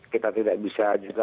kita tidak bisa